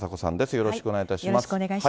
よろしくお願いします。